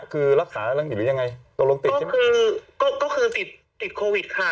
คือรักษาแล้วอยู่หรือยังไงตกลงติดใช่ไหมคือก็คือติดติดโควิดค่ะ